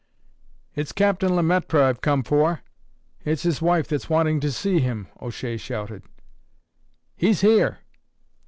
"It's Captain Le Maître I've come for; it's his wife that's wanting to see him," O'Shea shouted. "He's here!"